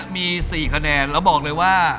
มี๔คะแนนแล้วบอกเลยว่า